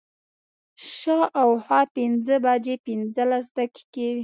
شا او خوا پنځه بجې پنځلس دقیقې وې.